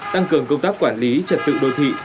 tăng cường công tác quản lý trật tự đô thị